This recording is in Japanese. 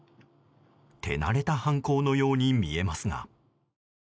手慣れた犯行のように見えますが。